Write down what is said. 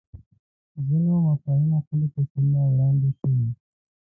ځینو مفاهیمو ښکلي تصویرونه وړاندې شوي